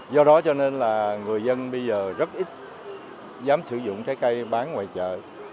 do đó cho nên là người dân bây giờ rất ít dám sử dụng trái cây bán ngoài chợ